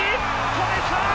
止めた！